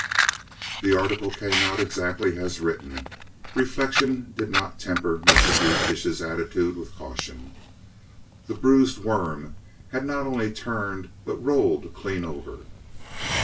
The article came out exactly as written. Reflection did not temper Mr. Butefish's attitude with caution. The bruised worm not only had turned, but rolled clean over.